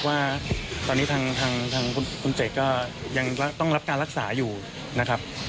ว่าตอนนี้ทางคุณเสกก็ยังต้องรับการรักษาอยู่นะครับ